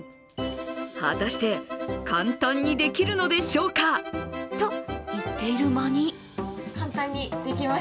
果たして、簡単にできるのでしょうか。といっている間に。